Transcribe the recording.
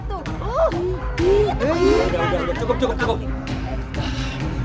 cukup cukup cukup